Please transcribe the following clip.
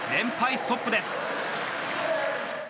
ストップです。